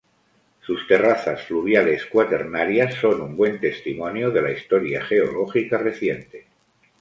Sus terrazas fluviales cuaternarias son un buen testimonio de la historia geológica reciente.